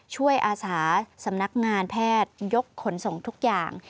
อาสาสำนักงานแพทยกขนส่งทุกอย่าง